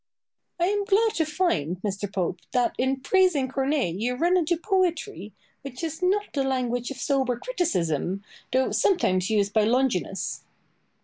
Boileau. I am glad to find, Mr. Pope, that in praising Corneille you run into poetry, which is not the language of sober criticism, though sometimes used by Longinus.